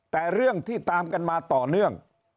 แต่เรื่องที่ตามกันมาต่อเนื่อง